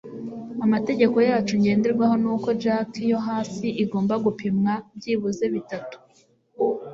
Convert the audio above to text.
Amategeko yacu ngenderwaho ni uko jack yo hasi igomba gupimwa byibuze bitatu